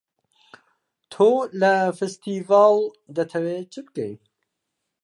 تۆ لە فێستیڤاڵ دەتەوێ چ بکەی؟